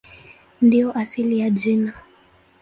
Ndiyo asili ya jina.